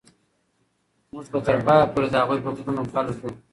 موږ به تر پایه پورې د هغوی په پلونو پل ږدو.